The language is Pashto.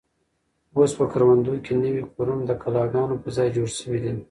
اوس په کروندو کې نوي کورونه د کلاګانو په ځای جوړ شوي دي.